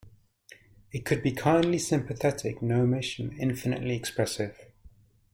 It could be kindly, sympathetic, gnomish and infinitely expressive.